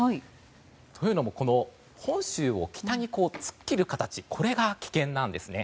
というのも本州を北に突っ切る形これが危険なんですね。